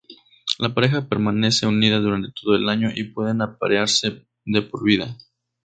La pareja permanece unida durante todo el año y pueden aparearse de por vida.